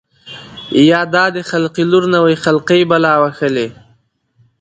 چې څرنګه ښځه کمزورې ده